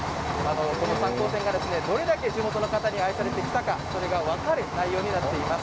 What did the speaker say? この三江線がどれだけ地元の方に愛されてきたのか分かる内容になっています。